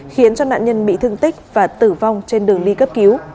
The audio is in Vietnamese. khiến cho nạn nhân bị thương tích